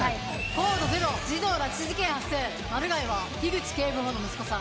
コードゼロ児童拉致事件発生マルガイは樋口警部補の息子さん。